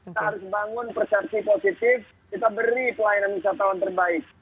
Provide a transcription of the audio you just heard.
kita harus bangun persepsi positif kita beri pelayanan wisatawan terbaik